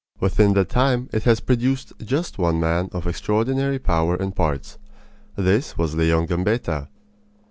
Within that time it has produced just one man of extraordinary power and parts. This was Leon Gambetta.